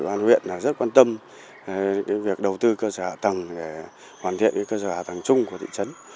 quán huyện rất quan tâm việc đầu tư cơ sở hạ tầng để hoàn thiện cơ sở hạ tầng chung của thị trấn